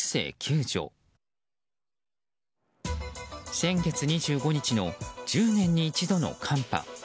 先月２５日の１０年に一度の寒波。